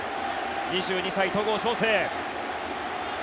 ２２歳、戸郷翔征。